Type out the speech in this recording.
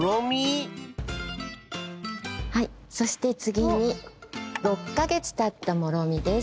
はいそしてつぎに６かげつたったもろみです。